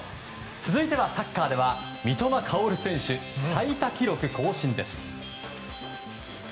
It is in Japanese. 続いてはサッカーでは、三笘薫選手が最多記録更新です。